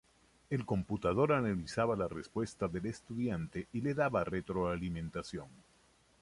El computador analizaba la respuesta del estudiante y le daba retroalimentación.